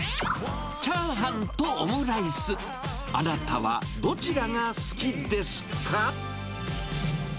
チャーハンとオムライス、あなたはどちらが好きですか？